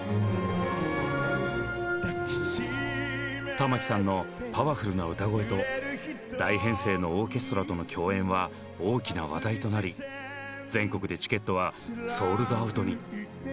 玉置さんのパワフルな歌声と大編成のオーケストラとの共演は大きな話題となり全国でチケットはソールドアウトに。